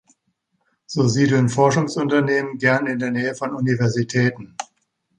So siedeln Forschungsunternehmen gerne in der Nähe von Universitäten.